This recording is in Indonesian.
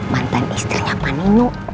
mantan istrinya paninu